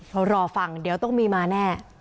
เขารอฟังเดี๋ยวต้องมีมาแน่